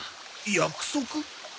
約束？